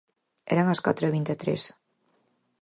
Eran as catro e vinte e tres.